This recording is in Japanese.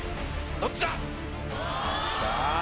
・どっちだ？